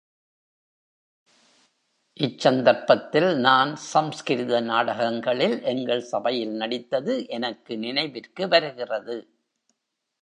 இச் சந்தர்ப்பத்தில், நான் சம்ஸ்கிருத நாடகங்களில் எங்கள் சபையில் நடித்தது எனக்கு நினைவிற்கு வருகிறது.